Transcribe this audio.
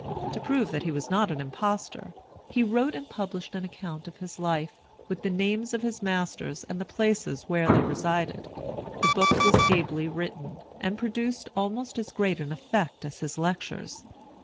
To prove that he was not an impostor he wrote and published an account of his life, with the names of his masters and the places where they resided. The book was ably written, and produced almost as great an effect as his lectures.